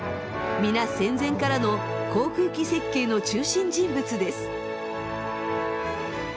皆戦前からの航空機設計の中心人物です。